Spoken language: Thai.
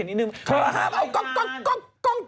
เธอห้ามเอากล้อง